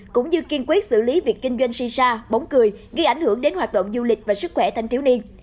cũng như kiên quyết xử lý việc kinh doanh shisha bóng cười gây ảnh hưởng đến hoạt động du lịch và sức khỏe thanh thiếu niên